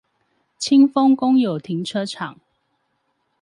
清豐公有停車場